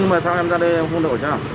nhưng mà sao em ra đây em không đổ cho